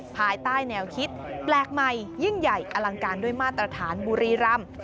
ภายใต้แนวคิดแปลกใหม่ยิ่งใหญ่อลังการด้วยมาตรฐานบุรีรำ